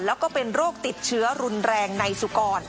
แล้วก็เป็นโรคติดเชื้อรุนแรงในสุกร